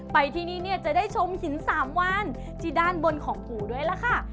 ไปที่นี่เนี่ยจะได้ชมหินสามวันที่ด้านบนของปู่ด้วยล่ะค่ะ